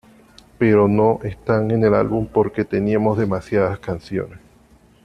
Pero no está en el álbum porque teníamos demasiadas canciones".